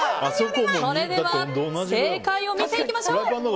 それでは正解を見ていきましょう。